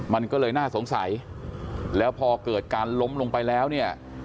มันก็เลยน่าสงสัยแล้วพอเกิดการล้มลงไปแล้วเนี่ย